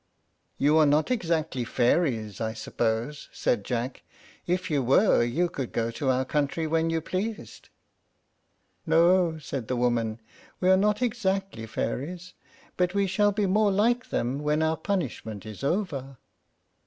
"You are not exactly fairies, I suppose?" said Jack. "If you were, you could go to our country when you pleased." "No," said the woman; "we are not exactly fairies; but we shall be more like them when our punishment is over."